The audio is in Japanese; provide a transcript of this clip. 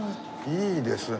いいですね。